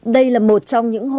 đây là một trong những hồn